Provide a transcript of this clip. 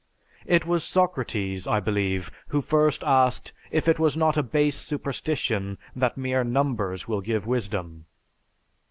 It was Socrates, I believe, who first asked if it was not a base superstition that mere numbers will give wisdom.